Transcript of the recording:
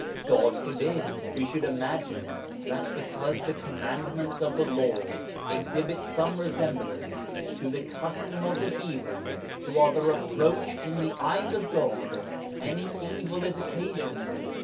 God forbid we should imagine that because 'the commandments of the Law exhibit some re semblance to the custom of the heathen, who are the reproach in the eyes of God, any evil is occa sioned!